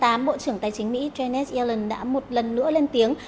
này hai tháng tám bộ trưởng tài chính mỹ janice yellen đã một lần nữa lên tiếng